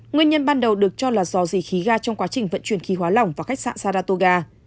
nguyên nhân ban đầu được cho là do dì khí ga trong quá trình vận chuyển khí hóa lỏng vào khách sạn saratoga